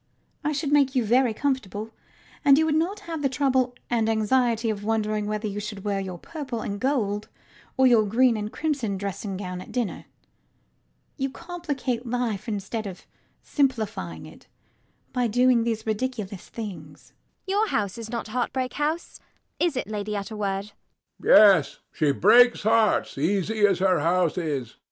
I should make you very comfortable; and you would not have the trouble and anxiety of wondering whether you should wear your purple and gold or your green and crimson dressing gown at dinner. You complicate life instead of simplifying it by doing these ridiculous things. ELLIE. Your house is not Heartbreak House: is it, Lady Utterword? HECTOR. Yet she breaks hearts, easy as her house is.